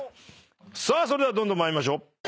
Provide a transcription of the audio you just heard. さあそれではどんどん参りましょう。